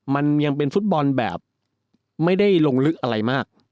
มันยังเป็นฟุตบอลแบบไม่ได้ลงลึกอะไรมาก